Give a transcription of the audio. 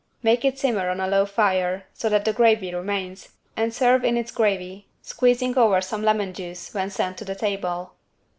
Make it simmer on a low fire so that the gravy remains, and serve in its gravy, squeezing over some lemon juice when sent to the table.